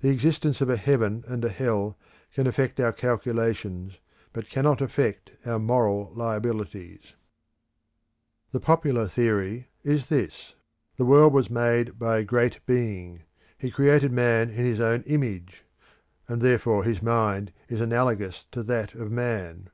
The existence of a heaven and a hell can affect our calculations, but, cannot affect our moral liabilities. The Religion of Reason and Love The popular theory is this: the world was made by a Great Being; he created man in his own image; and therefore his mind is analogous to that of man.